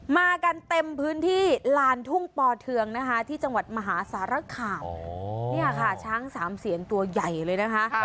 มากันเต็มพื้นที่ลานทุ่งปอเทืองนะคะที่จังหวัดมหาสารคามเนี่ยค่ะช้างสามเสียนตัวใหญ่เลยนะคะ